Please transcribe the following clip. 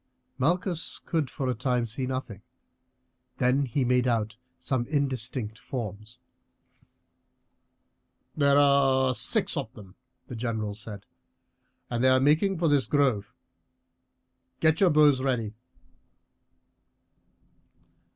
Malchus could for a time see nothing; then he made out some indistinct forms. "There are six of them," the general said, "and they are making for this grove. Get your bows ready."